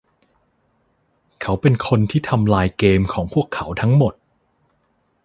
เขาเป็นคนที่ทำลายเกมของพวกเขาทั้งหมด